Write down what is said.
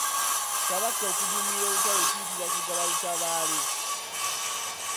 Kabaka okuduumira olutalo kiyitibwa kugaba lutabaalo.